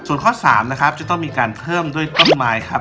ส่วนข้อ๓นะครับจะต้องมีการเพิ่มด้วยต้นไม้ครับ